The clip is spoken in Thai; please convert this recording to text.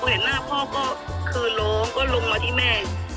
เห็นหน้าพ่อก็คือร้องก็ลงมาที่แม่